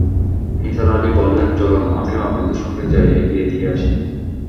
নিসার আলি বললেন, চলুন, আমিও আপনাদের সঙ্গে যাই-এগিয়ে দিয়ে আসি।